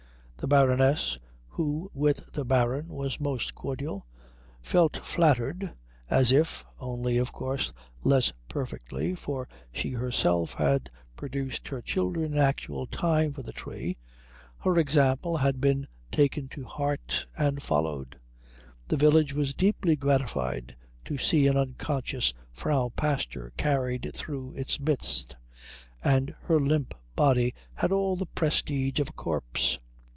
The Baroness, who with the Baron was most cordial, felt flattered, as if only of course less perfectly, for she herself had produced her children in actual time for the tree her example had been taken to heart and followed. The village was deeply gratified to see an unconscious Frau Pastor carried through its midst, and her limp body had all the prestige of a corpse.